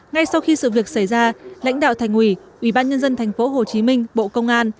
ngay sau khi sự việc xảy ra lãnh đạo thành ủy ủy ban nhân dân tp hcm bộ công an